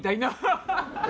ハハハッ！